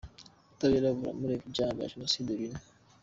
Ubutabera buramurega ibyaha bya jenoside bine.